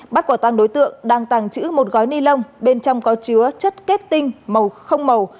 bắt quả tăng đối tượng đang tàng trữ một gói ni lông bên trong có chứa chất kết tinh màu không màu